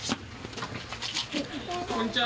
こんにちは。